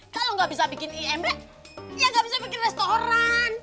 kalau nggak bisa bikin imb ya nggak bisa bikin restoran